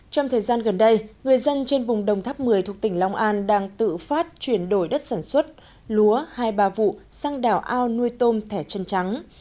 trong thời gian gần đây người dân trên vùng đồng tháp một mươi thuộc tỉnh long an đang tự phát chuyển đổi đất sản xuất lúa hai ba vụ sang đảo ao nuôi tôm thẻ chân trắng